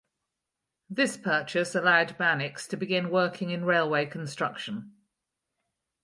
This purchase allowed Mannix to begin working in railway construction.